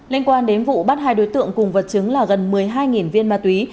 liên quan đến vụ bắt hai đối tượng cùng vật chứng là gần một mươi hai viên ma túy